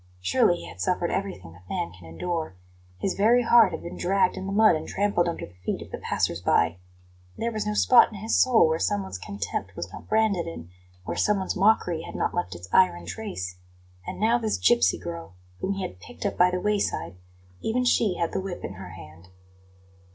Surely he had suffered everything that man can endure; his very heart had been dragged in the mud and trampled under the feet of the passers by; there was no spot in his soul where someone's contempt was not branded in, where someone's mockery had not left its iron trace. And now this gipsy girl, whom he had picked up by the wayside even she had the whip in her hand.